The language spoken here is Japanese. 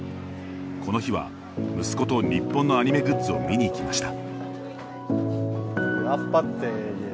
この日は息子と日本のアニメグッズを見に行きました。